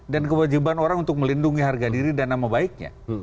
dan kewajiban orang untuk melindungi harga diri dan nama baiknya